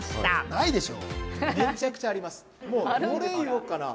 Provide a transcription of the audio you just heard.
ないでしょ。